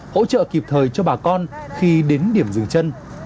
hỗ trợ kịp thời cho bà con khi đến điểm dừng chân